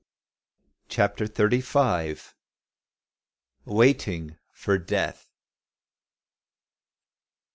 CHAPTER THIRTY FIVE. WAITING FOR DEATH.